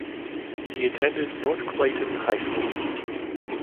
He attended North Clayton High School.